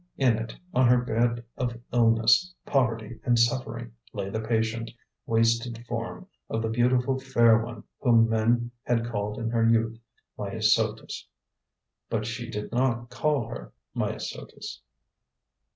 In it, on her bed of illness, poverty, and suffering, lay the patient, wasted form of the beautiful fair one whom men had called in her youth Myosotis. But she did not call her Myosotis.